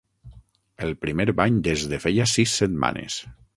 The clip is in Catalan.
El primer bany des de feia sis setmanes.